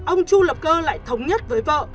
ông chu lập cơ lại thống nhất với vợ